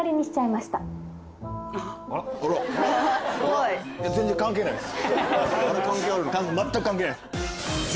まったく関係ないです。